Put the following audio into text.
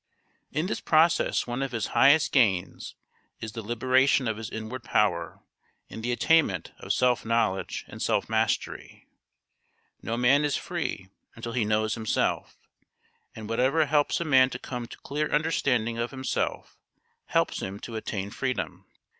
In this process one of his highest gains is the liberation of his inward power and the attainment of self knowledge and self mastery. No man is free until he knows himself, and whatever helps a man to come to clear understanding of himself helps him to attain freedom.